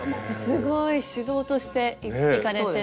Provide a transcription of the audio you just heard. すごい主導として行かれて。